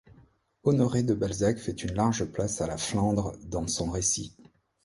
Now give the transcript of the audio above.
Honoré de Balzac fait une large place à la Flandre dans son récit.